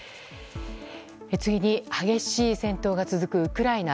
次に激しい戦闘が続くウクライナ。